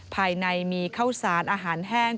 ภายในมีข้าวสารอาหารแห้ง